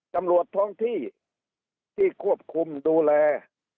ตำรวจท้องที่ที่ควบคุมดูแล